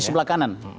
di sebelah kanan